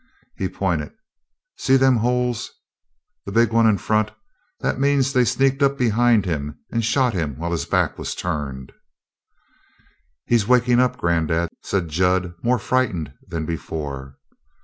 He pointed. "See them holes? The big one in front? That means they sneaked up behind him and shot him while his back was turned." "He's wakin' up, granddad," said Jud, more frightened than before.